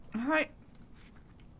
はい。